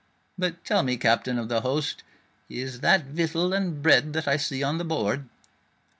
But tell me, Captain of the host, is that victual and bread that I see on the board?"